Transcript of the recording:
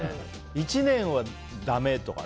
１年はだめとか。